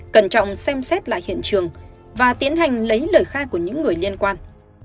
cẩn trọng xem xét lại hiện trường và tiến hành lấy lời khai của những người liên quan